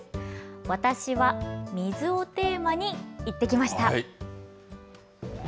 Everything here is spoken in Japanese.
私は水をテーマに行ってきました。